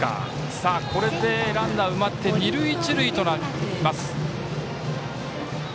これでランナーが埋まって二塁一塁となります。